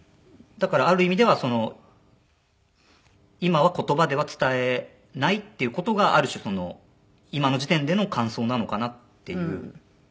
だからある意味ではその今は言葉では伝えないっていう事がある種その今の時点での感想なのかなっていう。